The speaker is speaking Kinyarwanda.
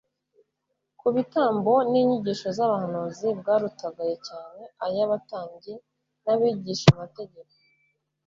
ku bitambo n'inyigisho z'abahanuzi, bwarutaga cyane ay'abatambyi n'abigishamategeko.